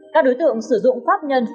các đối tượng sử dụng pháp nhân